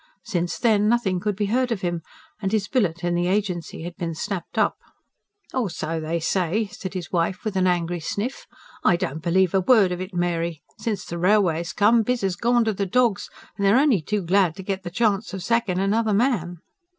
Since then, nothing could be heard of him; and his billet in the Agency had been snapped up. "Or so they say!" said his wife, with an angry sniff. "I don't believe a word of it, Mary. Since the railway's come, biz has gone to the dogs; and they're only too glad to get the chance of sacking another man."